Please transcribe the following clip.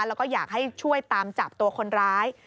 แล้วก็อยากให้ช่วยตามจับตัวคนร้าย